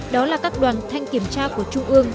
đó là các đoàn thanh kiểm tra của trung ương